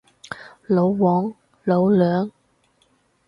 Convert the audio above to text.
老黃，老梁